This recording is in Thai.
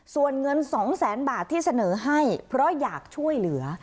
ส่วนเงิน๒แสนบาทที่เสนอให้เพราะอยากช่วยเหลือ